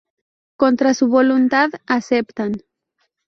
Contra su voluntad, aceptan.